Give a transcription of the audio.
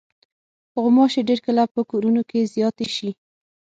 غوماشې ډېر کله په کورونو کې زیاتې شي.